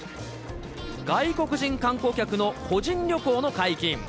外国人観光客の個人旅行の解禁。